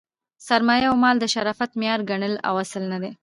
سرمایه او مال د شرافت معیار ګڼل اصل نه دئ.